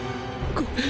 ごめん。